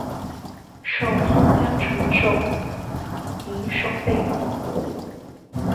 授松江城守营守备。